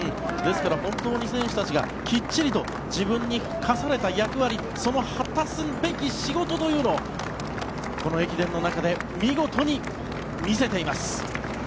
本当に選手たちがきっちりと自分に課された役割果たすべき仕事をこの駅伝の中で見事に見せています。